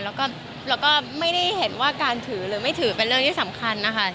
แล้วก็ไม่ได้เห็นว่าการถือหรือไม่ถือเป็นเรื่องที่สำคัญนะคะ